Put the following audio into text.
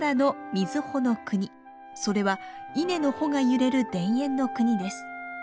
それは稲の穂が揺れる田園の国です。